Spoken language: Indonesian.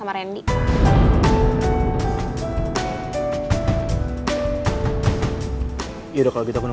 mereka belum pulang